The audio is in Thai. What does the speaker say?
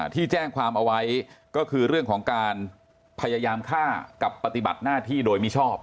ที่แจ้งความเอาไว้ก็คือเรื่องของการพยายามฆ่ากับปฏิบัติหน้าที่โดยมิชอบ